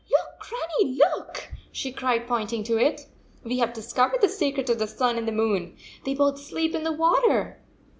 " Look, Grannie, look," she cried, point ing to it. "We have discovered the secret of the sun and the moon ! They both sleep in the water!